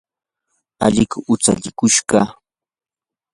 alliku hutsallikushqa.